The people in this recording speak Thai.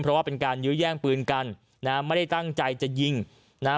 เพราะว่าเป็นการยื้อแย่งปืนกันนะฮะไม่ได้ตั้งใจจะยิงนะฮะ